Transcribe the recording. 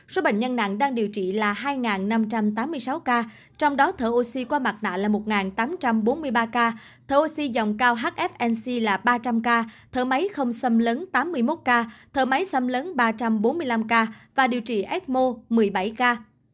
số bệnh nhân nặng đang điều trị là hai năm trăm tám mươi sáu ca trong đó thở oxy qua mặt nạ là một tám trăm bốn mươi ba ca thở oxy dòng cao hfnc là ba trăm linh ca thở máy không xâm lấn tám mươi một ca thở máy xâm lấn ba trăm bốn mươi năm ca và điều trị ecmo một mươi bảy ca